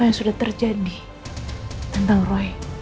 kegiatan dirajuin dia seperti hanya hormones